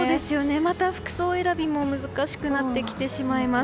また服装選びも難しくなってきてしまいます。